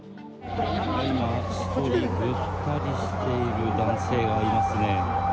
今、１人ぐったりしている男性が見えますね。